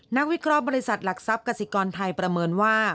วิเคราะห์บริษัทหลักทรัพย์กษิกรไทยประเมินว่า